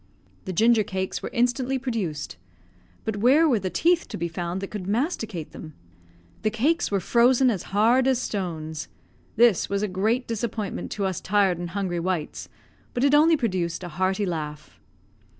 The ginger cakes were instantly produced. But where were the teeth to be found that could masticate them? The cakes were frozen as hard as stones; this was a great disappointment to us tired and hungry wights; but it only produced a hearty laugh.